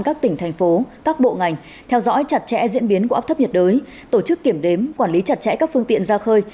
các tỉnh thành phố các bộ ngành theo dõi chặt chẽ diễn biến của áp thấp nhiệt đới tổ chức kiểm đếm quản lý chặt chẽ các phương tiện ra khơi